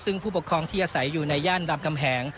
ซึ่งผู้ปกครองที่อาศัยอยู่ในย่านรามคำแหง